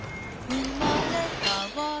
「うまれかわる」